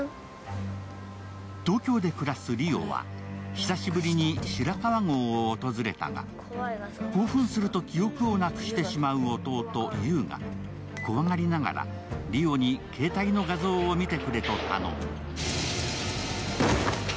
東京で暮らす梨央は久しぶりに白川郷を訪れたが興奮すると記憶をなくしてしまう弟・優が怖がりながら梨央に携帯の画像を見てくれと頼む。